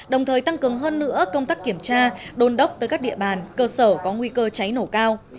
đồng hơn nữa công tác kiểm tra đôn đốc tới các địa bàn cơ sở có nguy cơ cháy nổ cao